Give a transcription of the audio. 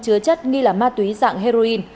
chứa chất nghi là ma túy dạng heroin